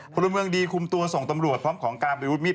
ภูมิเมืองดีคุมตัวส่งตำรวจพร้อมของการบริวุธมีด